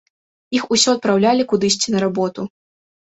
Іх усё адпраўлялі кудысьці на работу.